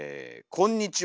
こんにちは。